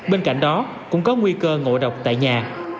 bên cạnh đó cũng có nguy cơ ngộ độc tại nhà